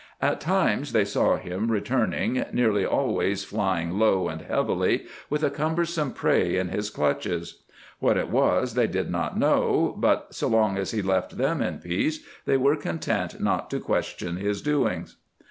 At times they saw him returning, nearly always flying low and heavily, with a cumbersome prey in his clutches. What it was, they did not know, but so long as he left them in peace they were content not to question his doings.